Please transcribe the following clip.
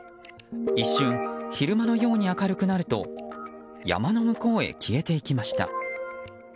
一瞬、昼間のように明るくなると山の向こうへ消えていきました。